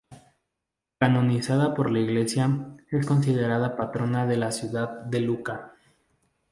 Canonizada por la Iglesia, es considerada patrona de la ciudad de Lucca.